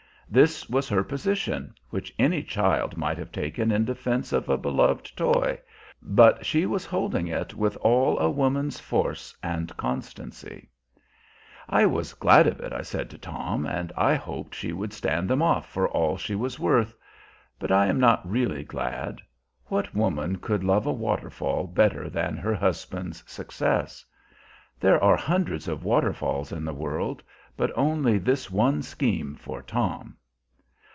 This was her position, which any child might have taken in defense of a beloved toy; but she was holding it with all a woman's force and constancy. I was glad of it, I said to Tom, and I hoped she would stand them off for all she was worth. But I am not really glad. What woman could love a waterfall better than her husband's success? There are hundreds of waterfalls in the world, but only this one scheme for Tom.